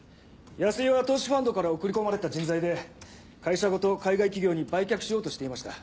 安井は投資ファンドから送り込まれた人材で会社ごと海外企業に売却しようとしていました。